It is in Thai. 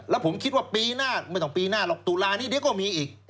แล้วผมคิดว่าปีหน้าไม่ต้องปีหน้าหรอกตุลานี้เดี๋ยวก็มีอีก